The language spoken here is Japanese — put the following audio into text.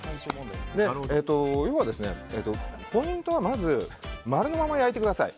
要は、ポイントはまず丸のまま焼いてください。